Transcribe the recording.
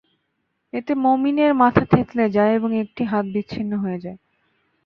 এতে মোমিনের মাথা থেঁতলে যায় এবং একটি হাত বিচ্ছিন্ন হয়ে যায়।